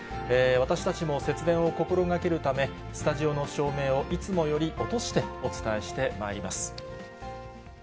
私たちも節電を心がけるため、スタジオの照明をいつもより落として、お伝えしてまいります。